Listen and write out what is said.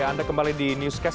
ya anda kembali di newscast